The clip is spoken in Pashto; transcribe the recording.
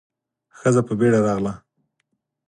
ښځه په بيړه راغله.